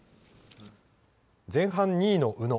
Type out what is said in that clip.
前半２位の宇野。